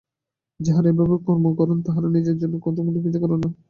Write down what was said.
যাঁহারা এইভাবে কর্ম করেন, তাঁহারা নিজের জন্য কখনও কিছু করেন না।